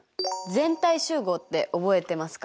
全体集合って覚えてますか？